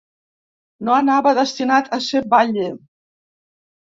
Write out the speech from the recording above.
No anava destinat a ser batlle.